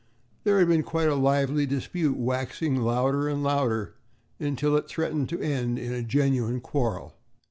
There had been quite a lively dispute, waxing louder and louder until it threatened to end in a genuine quarrel.